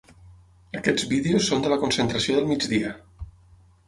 Aquests vídeos són de la concentració del migdia.